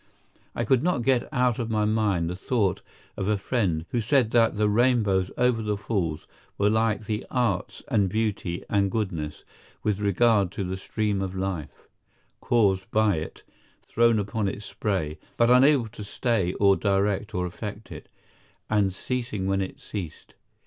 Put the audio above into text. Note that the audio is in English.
I could not get out of my mind the thought of a friend, who said that the rainbows over the Falls were like the arts and beauty and goodness, with regard to the stream of life—caused by it, thrown upon its spray, but unable to stay or direct or affect it, and ceasing when it ceased.